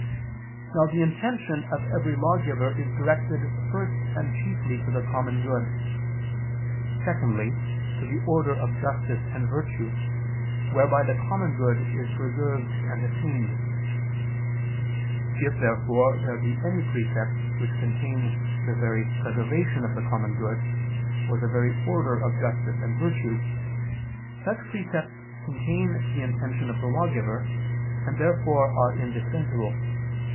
Now the intention of every lawgiver is directed first and chiefly to the common good; secondly, to the order of justice and virtue, whereby the common good is preserved and attained. If therefore there be any precepts which contain the very preservation of the common good, or the very order of justice and virtue, such precepts contain the intention of the lawgiver, and therefore are indispensable.